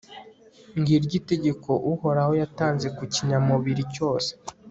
ngiryo itegeko uhoraho yatanze ku kinyamubiri cyose